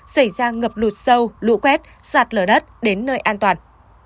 xảy ra ngập lụt sâu lũ quét sạt lở đất đến nơi an toàn